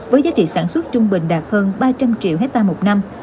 với giá trị sản xuất trung bình đạt hơn ba trăm linh triệu hectare một năm